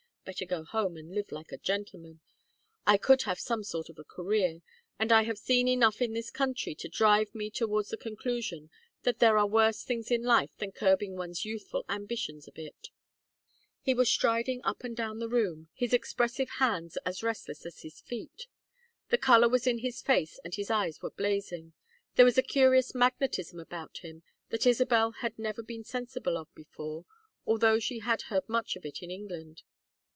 Better go home and live like a gentleman. I could have some sort of a career, and I have seen enough in this country to drive me towards the conclusion that there are worse things in life than curbing one's youthful ambitions a bit." He was still striding up and down the room, his expressive hands as restless as his feet. The color was in his face and his eyes were blazing. There was a curious magnetism about him that Isabel had never been sensible of before, although she had heard much of it in England.